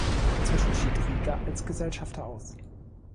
Inzwischen schied Rieger als Gesellschafter aus.